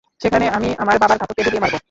সেখানে আমি আমার বাবার ঘাতককে ডুবিয়ে মারবো।